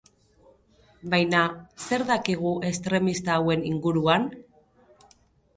Baina, zer dakigu estremista hauen inguruan?